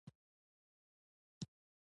د کمپيوټر غوندې سکرين ته يې ګوته ونيوله